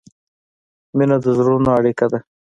مینه د زړونو اړیکه ده.